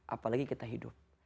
apalagi kita hidup